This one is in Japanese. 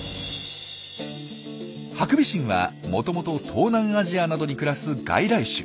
ハクビシンはもともと東南アジアなどに暮らす外来種。